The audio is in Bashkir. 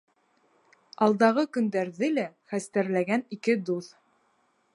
Алдағы көндәрҙе лә хәстәрләгән ике дуҫ.